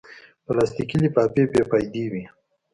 پلاستيکي لفافې بېفایدې وي.